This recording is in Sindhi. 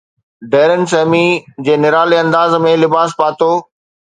ڊيرن سيمي جي نرالي انداز ۾ لباس پاتو